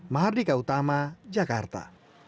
mahardika utama jakarta